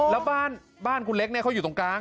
แล้วบ้านคุณเล็กเขาอยู่ตรงกลาง